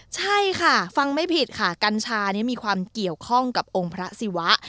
ใช่ค่ะฟังไม่ผิดค่ะกัญชานี้มีความเกี่ยวข้องกับองค์พระศิวะ